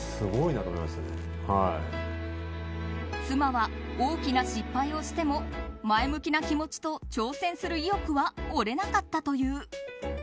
妻は大きな失敗をしても前向きな気持ちと挑戦する意欲は折れなかったという。